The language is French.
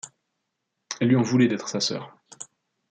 Elle lui en voulait d’être sa sœur.